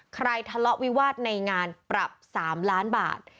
ทะเลาะวิวาสในงานปรับ๓ล้านบาท